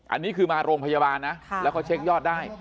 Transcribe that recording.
อันนี้คือมาโรงพยาบาลนะแล้วเขาเช็คยอดได้